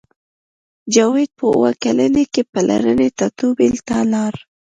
جاوید په اوه کلنۍ کې پلرني ټاټوبي ته لاړ